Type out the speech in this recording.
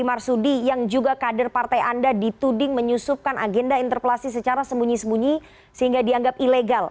marsudi yang juga kader partai anda dituding menyusupkan agenda interpelasi secara sembunyi sembunyi sehingga dianggap ilegal